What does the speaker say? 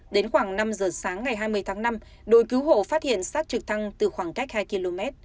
đến khoảng năm giờ sáng ngày hai mươi tháng năm đội cứu hộ phát hiện sát trực thăng từ khoảng cách hai km